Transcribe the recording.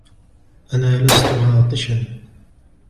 أنا لست عاطشا.